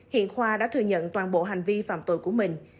hiện khoa đã thừa nhận toàn bộ hành vi phạm tội của mình